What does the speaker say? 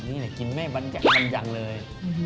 นี่แหละกินแม่บันกันอย่างเลย